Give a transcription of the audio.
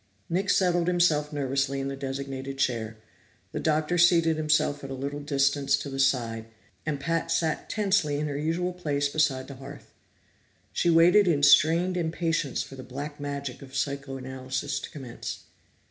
Nick settled himself nervously in the designated chair; the Doctor seated himself at a little distance to the side, and Pat sat tensely in her usual place beside the hearth. She waited in strained impatience for the black magic of psychoanalysis to commence.